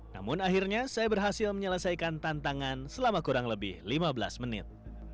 namun akhirnya saya berhasil menyelesaikan tantangan selama kurang lebih lima belas menit